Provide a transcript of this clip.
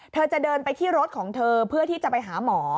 เธอจะเดินไปที่รถของเธอเพื่อที่จะไปหาหมอ